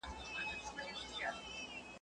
د بلي وني سوري ته نيالي نه غټېږي.